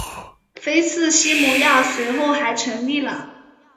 菲茨西蒙斯随后还成立了。